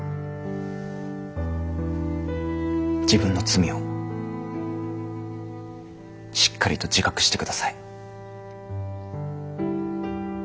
自分の罪をしっかりと自覚して下さい。